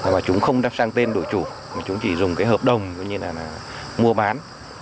mà chúng không đáp sang tên đổi chủ chúng chỉ dùng cái hợp đồng như là mua bán